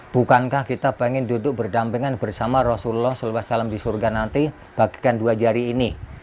bukankah kita pengen duduk berdampingan bersama rasulullah saw di surga nanti bagikan dua jari ini